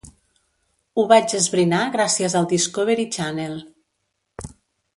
Ho vaig esbrinar gràcies al Discovery Channel.